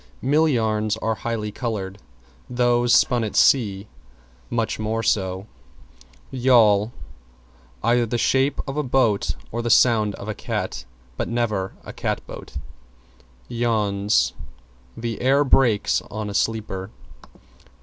Mill yarns are highly colored; those spun at sea much more so. =YAWL= Either the shape of a boat or the sound of a cat, but never a cat boat. =YAWNS= The air breaks on a sleeper.